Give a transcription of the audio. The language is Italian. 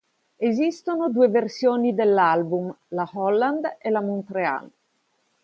Esistono due versioni dell'album: la "Holland" e la "Montreal".